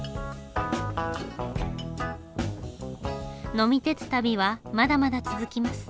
呑み鉄旅はまだまだ続きます。